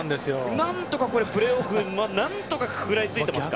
何とかプレーオフへ何とか食らいついていますか。